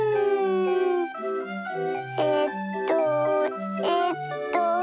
えっとえっと。